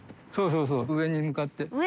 そうそう上に向かって。